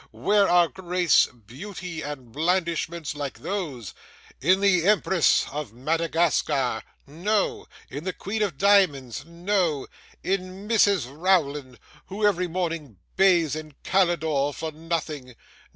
Where are grace, beauty, and blandishments, like those? In the Empress of Madagascar? No. In the Queen of Diamonds? No. In Mrs. Rowland, who every morning bathes in Kalydor for nothing?